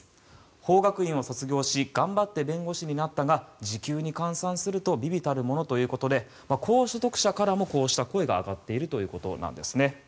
法学院を卒業し頑張って弁護士になったが時給に換算すると微々たるものということで高所得者からもこうした声が上がっているということなんです。